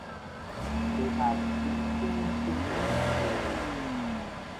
They had sixteen children together.